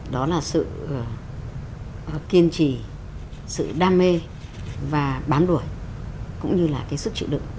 đó là sự kiên trì sự đam mê và bám đuổi cũng như là cái sức chịu đựng